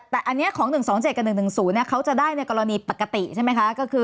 แต่ของ๑๒๗กับ๑๑๐จะได้ในกรณีปกติใช่ไหมคะ